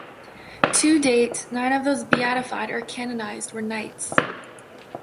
To date, nine of those beatified or canonized were Knights.